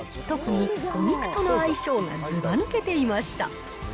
特にお肉との相性がずば抜けていました。